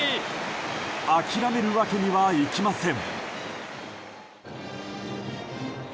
諦めるわけにはいきません。